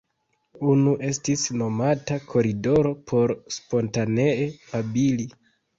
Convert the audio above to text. Unu estis nomata “Koridoro” por spontanee babili.